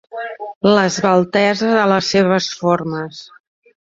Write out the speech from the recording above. L'esveltesa de les seves formes.